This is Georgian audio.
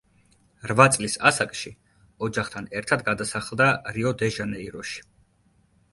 რვა წლის ასაკში, ოჯახთან ერთად გადასახლდა რიო-დე-ჟანეიროში.